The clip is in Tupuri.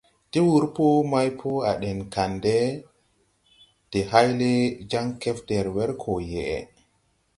Ti wur pɔ maypo à ɗɛŋ kandɛ de hayle jaŋ kɛfder wer koo yeʼe.